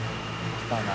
きたな。